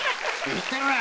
言ってるね！